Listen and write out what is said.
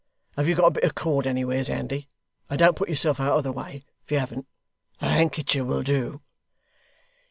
Have you got a bit of cord anywheres handy? Don't put yourself out of the way, if you haven't. A handkecher will do.